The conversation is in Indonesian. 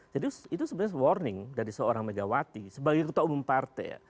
jadi itu sebenarnya warning dari seorang megawati sebagai ketua umum partai